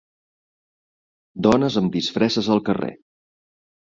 Dones amb disfresses al carrer.